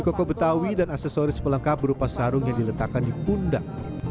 koko betawi dan aksesoris pelengkap berupa sarung yang diletakkan di pundak